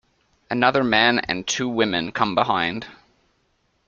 Another man and two women come behind.